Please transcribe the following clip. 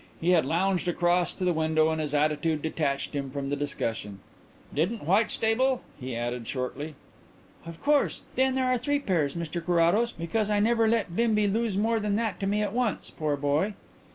He had lounged across to the window and his attitude detached him from the discussion. "Didn't Whitstable?" he added shortly. "Of course. Then there are three pairs, Mr Carrados, because I never let Bimbi lose more than that to me at once, poor boy."